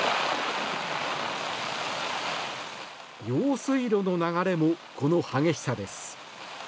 用水路の流れもこの激しさです。